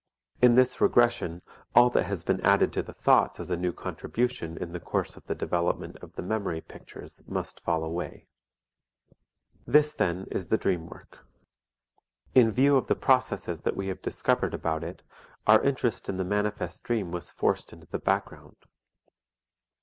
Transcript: In this regression, all that has been added to the thoughts as a new contribution in the course of the development of the memory pictures must fall away. This, then, is the dream work. In view of the processes that we have discovered about it, our interest in the manifest dream was forced into the background.